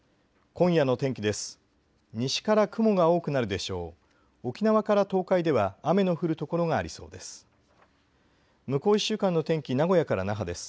今夜の天気です。